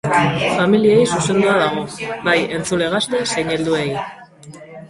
Familiei zuzendua dago, bai entzule gazte nahiz helduei.